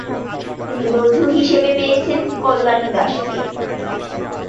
তিনি বন্ধু হিসেবে পেয়েছেন কল্যাণী দাসকে।